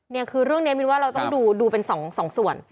นี่คือเรื่องนี้มินว่าเราต้องดูเป็นสองส่วน